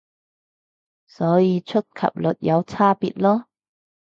所以觸及率有差別囉